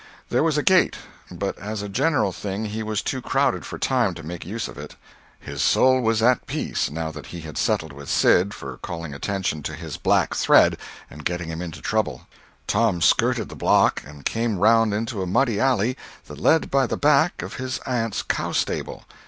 There was a gate, but as a general thing he was too crowded for time to make use of it. His soul was at peace, now that he had settled with Sid for calling attention to his black thread and getting him into trouble. Tom skirted the block, and came round into a muddy alley that led by the back of his aunt's cow stable.